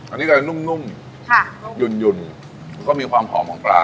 อันนี้ก็จะนุ่มนุ่มค่ะหยุ่นก็มีความหอมของปลา